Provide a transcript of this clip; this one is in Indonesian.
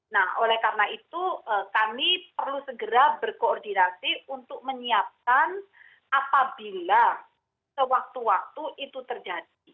nah oleh karena itu kami perlu segera berkoordinasi untuk menyiapkan apabila sewaktu waktu itu terjadi